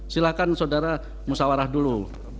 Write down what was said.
silahkan saudara musawarah dulu